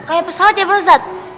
kayak pesawat ya pak ustadz